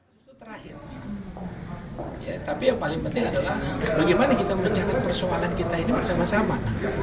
tapi yang paling penting adalah bagaimana kita menjaga persoalan kita ini bersama sama